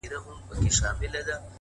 هم ئې سکڼي، هم ئې رغوي.